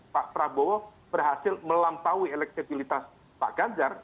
pak prabowo berhasil melampaui elektabilitas pak ganjar